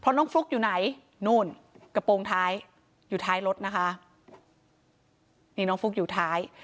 น้องฟลุ๊กอยู่ไหนนู่นกระโปรงท้ายอยู่ท้ายรถนะคะนี่น้องฟลุ๊กอยู่ท้าย